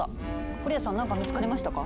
フォリアさん何か見つかりましたか？